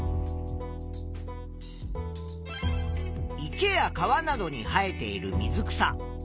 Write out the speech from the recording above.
池や川などに生えている水草。